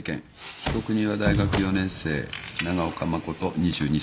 被告人は大学４年生長岡誠２２歳。